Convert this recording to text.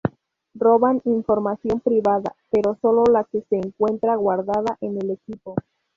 Roban información privada, pero sólo la que se encuentra guardada en el equipo.